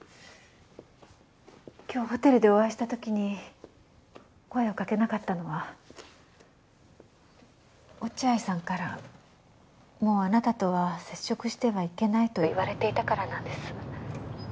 今日ホテルでお会いした時に声をかけなかったのは落合さんからもうあなたとは接触してはいけないと言われていたからなんです。